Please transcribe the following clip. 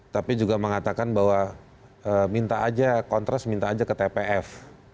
tapi juga mengatakan bahwa kontras minta aja ke tpf